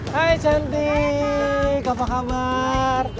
hai cantik apa kabar